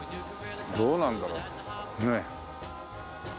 どうなんだろう？ねえ。